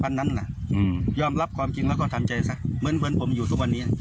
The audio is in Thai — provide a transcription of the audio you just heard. นั้นน่ะอืมยอมรับความจริงแล้วก็ทำใจซะเหมือนเหมือนผมอยู่ทุกวันนี้